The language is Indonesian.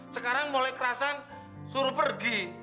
sekarang mulai kerasan suruh pergi